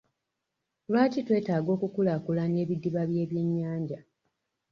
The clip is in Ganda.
Lwaki twetaaga okukulaakulanya ebidiba by'ebyennyanja?